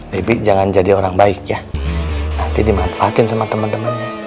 debbie jangan jadi orang baik ya nanti dimanfaatin sama temen temennya